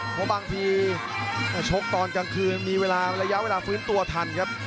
เพราะบางทีชกตอนกลางคืนมีเวลาระยะเวลาฟื้นตัวทันครับ